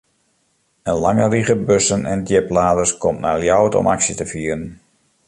In lange rige bussen en djipladers komt nei Ljouwert om aksje te fieren.